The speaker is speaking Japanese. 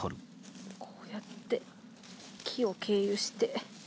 こうやって木を経由して。